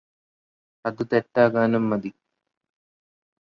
അത് തെറ്റാകാനും മതി